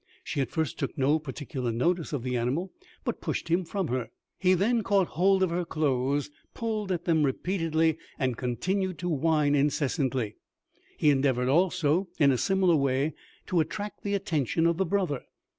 She at first took no particular notice of the animal, but pushed him from her. He then caught hold of her clothes, pulled at them repeatedly, and continued to whine incessantly. He endeavoured, also, in a similar way to attract the attention of the brother.